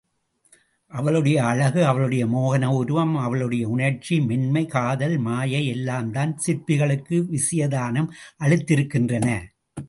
அவளுடைய அழகு, அவளுடைய மோகன உருவம், அவளுடைய உணர்ச்சி, மென்மை, காதல், மாயை எல்லாம்தான் சிற்பிகளுக்கு விஷயதானம் அளித்திருக்கின்றன.